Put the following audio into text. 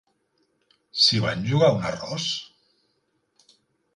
S'hi van jugar un arròs?